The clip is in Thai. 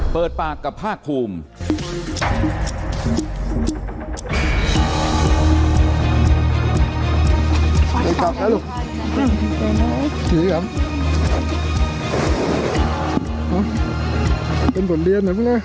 เปิดปากกับภาคภูมิ